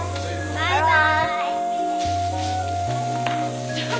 バイバイ。